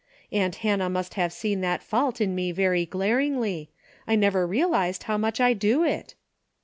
Aunt Hannah must have seen that fault in me very glaringly. I never realized how much I do it."